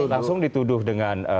langsung dituduh dengan